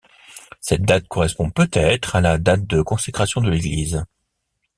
Cette date correspond peut-être à la date de consécration de l'église.